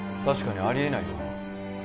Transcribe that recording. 確かにあり得ないよな